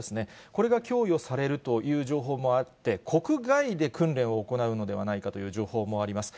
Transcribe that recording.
これが供与されるという情報もあって、国外で訓練を行うのではないかという情報もあります。